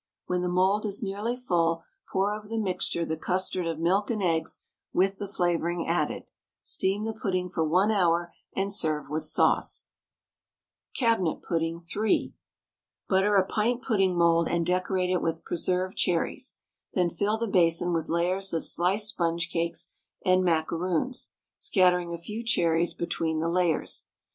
When the mould is nearly full, pour over the mixture the custard of milk and eggs with the flavouring added. Steam the pudding for 1 hour, and serve with sauce. CABINET PUDDING (3). Butter a pint pudding mould and decorate it with preserved cherries, then fill the basin with layers of sliced sponge cakes and macaroons, scattering a few cherries between the layers.